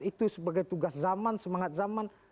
itu sebagai tugas zaman semangat zaman